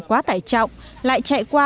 quá tải trọng lại chạy qua